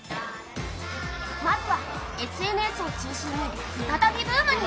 まずはＳＮＳを中心に再びブームに。